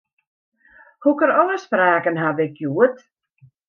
Hokker ôfspraken haw ik hjoed?